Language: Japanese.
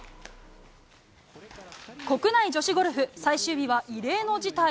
国内女子ゴルフ最終日は異例の事態。